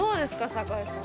坂井さん。